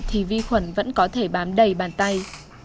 thì vi khuẩn vẫn có thể bám đầy bàn tay